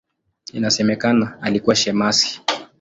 Inasemekana alikuwa shemasi.